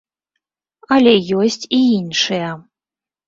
Але ёсць і іншыя.